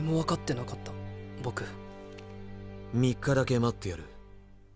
僕３日だけ待ってやる。